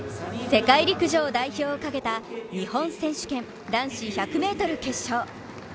世界陸上代表を懸けた日本選手権男子１００ｍ決勝。